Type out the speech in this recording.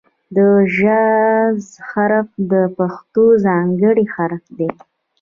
د "ژ" حرف د پښتو ځانګړی حرف دی.